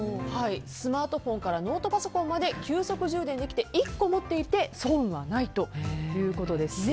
スマートフォンからノートパソコンまで急速充電できて、１個持っていて損はないということですね。